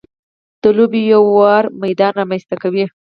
د لوبې یو ه وار میدان رامنځته کوي.